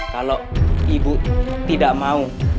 kalau ibu tidak mau